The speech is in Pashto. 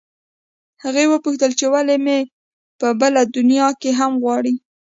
هغې وپوښتل چې ولې مې په بله دنیا کې هم غواړې